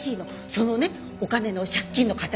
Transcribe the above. そのねお金の借金の肩代わり